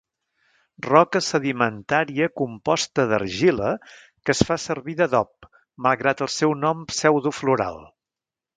Roca sedimentària composta d'argila que es fa servir d'adob malgrat el seu nom pseudofloral.